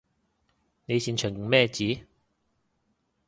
你擅長認咩字？